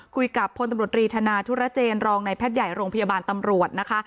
คุยกับพลตำรวจรีธนาธุรเจนรองในแพทย์ใหญ่โรงพยาบาลตำรวจนะคะ